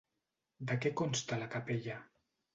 De què consta la capella?